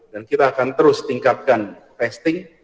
dan kita akan terus tingkatkan testing